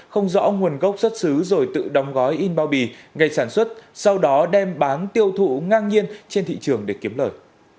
không rõ nguồn gốc xuất xứ rồi tự đóng gói in bao bì ngày sản xuất sau đó đem bán tiêu thụ ngang nhiên trên thị trường để kiếm lời